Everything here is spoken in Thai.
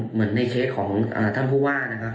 เหมือนในเคสของท่านผู้ว่านะครับ